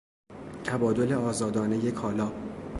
تبادل آزادانهی کالا